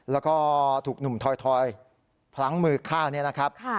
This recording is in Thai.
แล้วก็ถูกหนุ่มถอยพลั้งมือฆ่าเนี่ยนะครับ